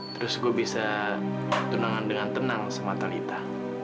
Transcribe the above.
terus gua bisa tunangan dengan tenang sama talitha